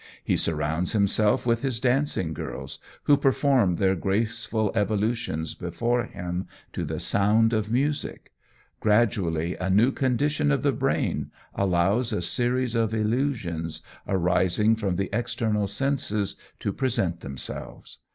He surrounds himself with his dancing girls, who perform their graceful evolutions before him to the sound of music; gradually a new condition of the brain allows a series of illusions, arising from the external senses, to present themselves.